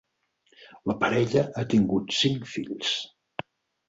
La parella ha tingut cinc fills.